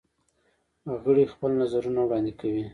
غړي خپل نظرونه وړاندې کوي.